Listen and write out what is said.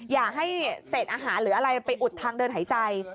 อย่าให้เศษอาหารหรืออะไรไปอุดทางเดินหายใจ